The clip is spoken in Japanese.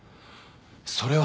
それは。